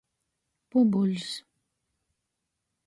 Pubuļs.